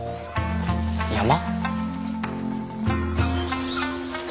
山？